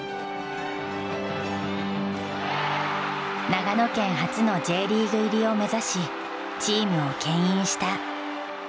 長野県初のＪリーグ入りを目指しチームをけん引した。